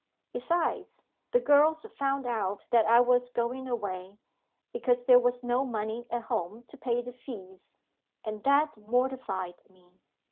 Besides, the girls found out that I was going away, because there was no money at home to pay the fees and that mortified me.